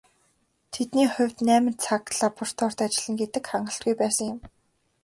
Тэдний хувьд найман цаг лабораторид ажиллана гэдэг хангалтгүй байсан юм.